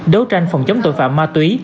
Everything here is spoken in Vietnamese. đấu tranh phòng chống tội phạm ma túy